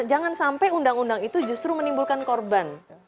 jangan sampai undang undang itu justru menimbulkan korban